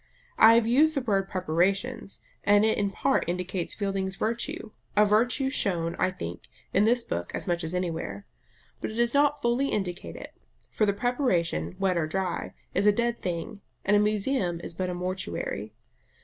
I have used the word "preparations," and it in part indicates Fielding's virtue, a virtue shown, I think, in this book as much as anywhere. But it does not fully indicate it; for the preparation, wet or dry, is a dead thing, and a museum is but a mortuary.